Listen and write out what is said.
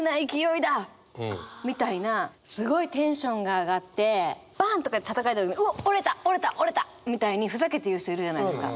みたいなすごいテンションが上がってバンッとかってたたかれて「うおっ折れた折れた折れた！」みたいにふざけて言う人いるじゃないですか。